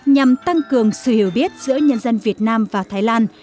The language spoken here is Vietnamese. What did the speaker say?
nhằm tăng cường sự hiểu biết giữa nhân dân việt nam và thái lan